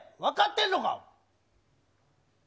分かってんのか！